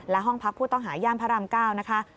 และห้องพักผู้ต้องหาย่านพระราม๙นะคะ